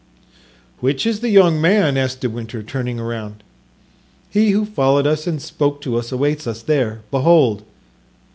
"Which is the young man?" asked De Winter, turning around. "He who followed us and spoke to us awaits us there; behold!"